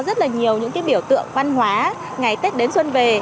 rất là nhiều những cái biểu tượng văn hóa ngày tết đến xuân về